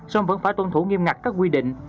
song vẫn phải tuân thủ nghiêm ngặt các quy định